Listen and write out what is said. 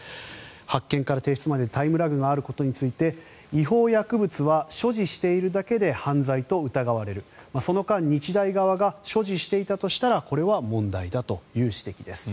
発見から提出までタイムラグがあることについて違法薬物や所持しているだけで犯罪と疑われるその間日大側が所持していたとしたらこれは問題だという指摘です。